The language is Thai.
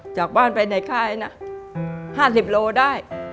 จากบ้านไปในค่ายนะ๕๐โลได้